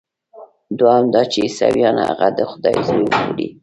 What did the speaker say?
دوهم دا چې عیسویان هغه د خدای زوی بولي.